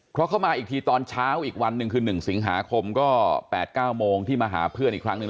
เพราะเขามาอีกทีตอนเช้าอีกวันหนึ่งคือ๑สิงหาคมก็๘๙โมงที่มาหาเพื่อนอีกครั้งหนึ่ง